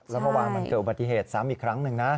เมื่อวานเกิดอุบัติเหตุทร้ำอีกครั้งนึงนะ